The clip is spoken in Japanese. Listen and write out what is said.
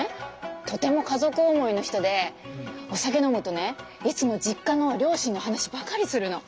とても家族思いの人でお酒飲むとねいつも実家の両親の話ばかりするの。